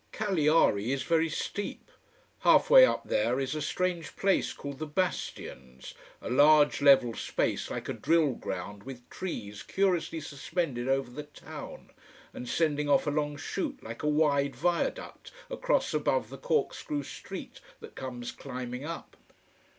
Cagliari is very steep. Half way up there is a strange place called the bastions, a large, level space like a drill ground with trees, curiously suspended over the town, and sending off a long shoot like a wide viaduct, across above the corkscrew street that comes climbing up.